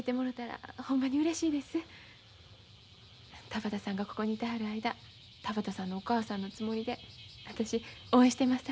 田畑さんがここにいてはる間田畑さんのお母さんのつもりで私応援してます